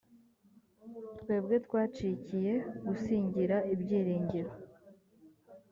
twebwe twacikiye gusingira ibyiringiro